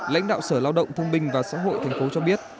lãnh đạo sở lao động thương binh và xã hội thành phố cho biết